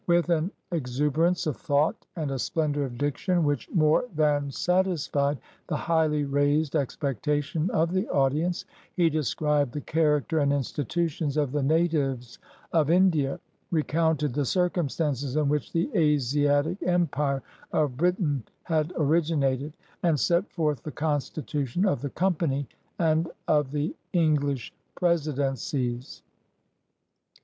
With an exuber ance of thought and a splendor of diction which more than satisfied the highly raised expectation of the audi ence, he described the character and institutions of the natives of India, recounted the circumstances in which the Asiatic empire of Britain had originated, and set forth the constitution of the Company and of the Eng lish Presidencies.